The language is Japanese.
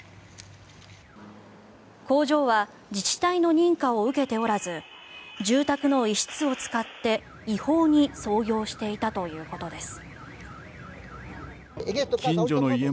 工場は自治体の認可を受けておらず住宅の一室を使って、違法に操業していたということです。